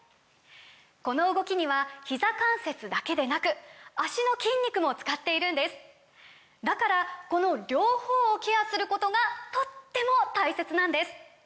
この動きにはひざ関節だけでなく脚の筋肉も使っているんですだからこの両方をケアすることがとっても大切なんです！